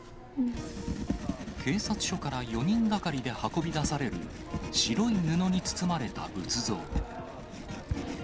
警察署から４人がかりで運び出される、白い布に包まれた仏像。